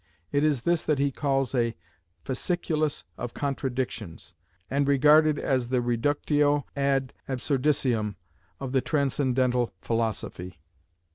It is this that he calls a "fasciculus of contradictions," and regarded as the reductio ad absurdissimum of the transcendental philosophy.